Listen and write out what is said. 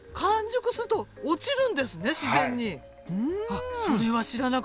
あそれは知らなかった。